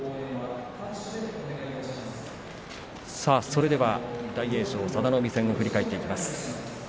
それでは大栄翔、佐田の海戦を振り返っていきます。